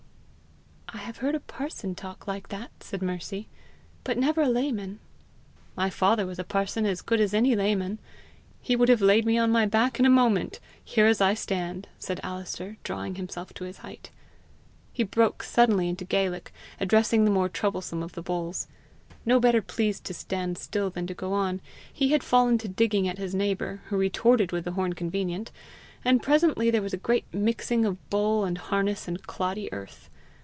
"I have heard a parson talk like that," said Mercy, "but never a layman!" "My father was a parson as good as any layman. He would have laid me on my back in a moment here as I stand!" said Alister, drawing himself to his height. He broke suddenly into Gaelic, addressing the more troublesome of the bulls. No better pleased to stand still than to go on, he had fallen to digging at his neighbour, who retorted with the horn convenient, and presently there was a great mixing of bull and harness and cloddy earth.